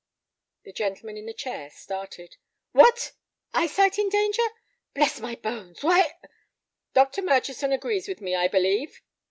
The gentleman in the chair started. "What! Eyesight in danger! Bless my bones, why—" "Dr. Murchison agrees with me, I believe."